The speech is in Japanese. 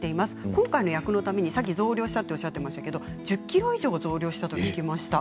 今回の役のために増量をしたとおっしゃっていましたが１０ｋｇ以上増量したと聞きました。